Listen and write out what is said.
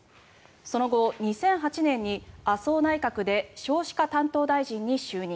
その後、２００８年に麻生内閣で少子化担当大臣に就任。